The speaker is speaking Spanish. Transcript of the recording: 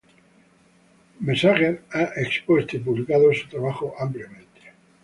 Messager ha expuesto y publicado su trabajo ampliamente.